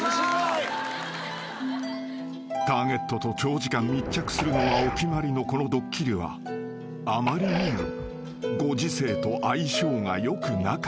［ターゲットと長時間密着するのがお決まりのこのドッキリはあまりにもご時世と相性がよくなかった］